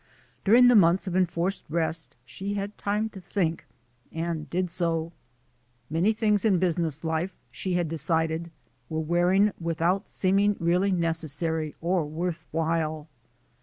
During the months of enforced rest she had had time to think, and did so. Many things in business life, she had decided, were wearing without seeming really neces sary or worth while.